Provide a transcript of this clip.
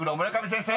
先生？